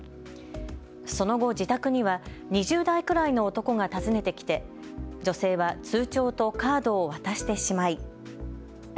その後、自宅には２０代くらいの男が訪ねてきて女性は通帳とカードを渡してしまい。